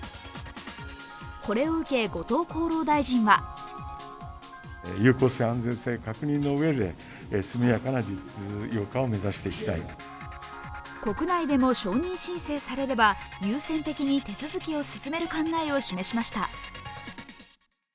これを受け、後藤厚労大臣は国内でも承認申請されれば優先的に手続きを進める考えを示しました。